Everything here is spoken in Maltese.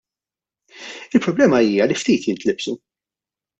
Il-problema hija li ftit jintlibsu.